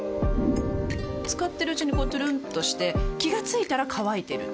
使ってるうちにこうトゥルンとして気が付いたら乾いてる